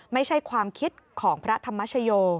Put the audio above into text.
ไม่ใช่ความคิดของพระธรรมชโย